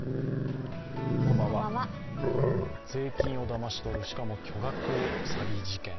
税金をだまし取る、しかも巨額詐欺事件。